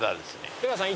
出川さん